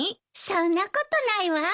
そんなことないわ。